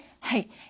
はい。